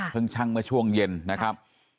เพิ่งชั่งมาช่วงเย็นนะครับ